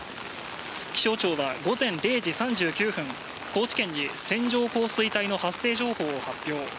気象庁は午前０時３９分高知県に線状降水帯の発生情報を発表。